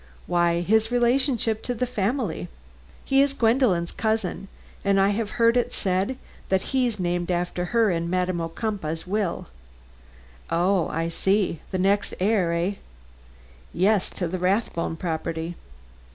"Why, his relationship to the family. He is Gwendolen's cousin and I have heard it said that he's named after her in Madam Ocumpaugh's will." "O, I see! The next heir, eh?" "Yes, to the Rathbone property."